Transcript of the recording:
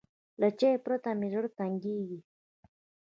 له چای پرته مې زړه تنګېږي.